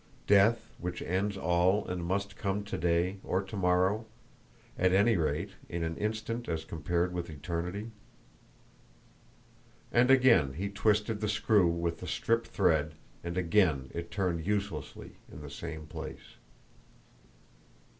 —death which ends all and must come today or tomorrow—at any rate, in an instant as compared with eternity." And again he twisted the screw with the stripped thread, and again it turned uselessly in the same place.